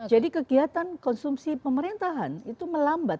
jadi kegiatan konsumsi pemerintahan itu melambat